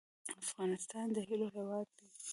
افغانستان د هیلو هیواد دی